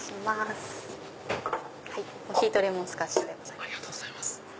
ありがとうございます。